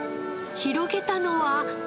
広げたのは。